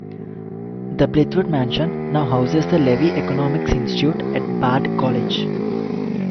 The Blithewood mansion now houses the Levy Economics Institute at Bard College.